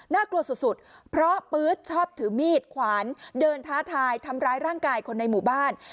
กลัวสุดเพราะปื๊ดชอบถือมีดขวานเดินท้าทายทำร้ายร่างกายคนในหมู่บ้าน